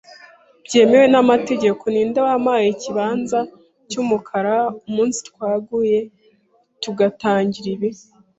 byemewe n'amategeko? Ninde wampaye ikibanza cyumukara umunsi twaguye tugatangira ibi